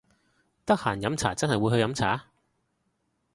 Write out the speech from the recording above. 得閒飲茶真係會去飲茶！？